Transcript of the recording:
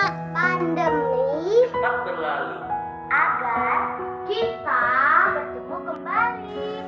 agar kita bertemu kembali